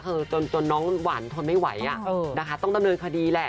จนน้องหวานทนไม่ไหวนะคะต้องดำเนินคดีแหละ